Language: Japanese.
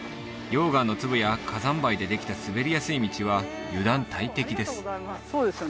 溶岩の粒や火山灰でできた滑りやすい道は油断大敵です